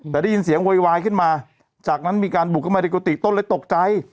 แต่ได้ยินเสียงโวยวายขึ้นมาจากนั้นมีการบุกเข้ามาในกุฏิต้นเลยตกใจ